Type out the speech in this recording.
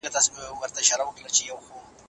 ازاده مطالعه له درسي کتابونو څخه ګټوره ده.